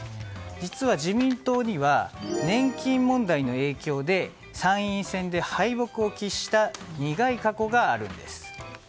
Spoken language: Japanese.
実は自民党には年金問題の影響で参院選で敗北を喫した苦い過去があるんです。